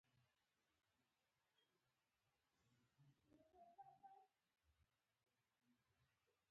لومړی پرانیستي تمدني لاره خپله کړه